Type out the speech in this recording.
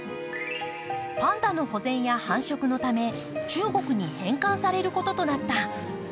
パンダの保全や繁殖のため中国に返還されることになった。